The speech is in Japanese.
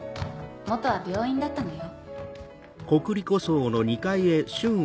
元は病院だったのよ。